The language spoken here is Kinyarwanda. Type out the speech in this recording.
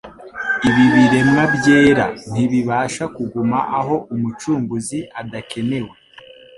Ibi biremwa byera ntibibasha kuguma aho Umucunguzi adakenewe